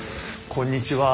こんにちは。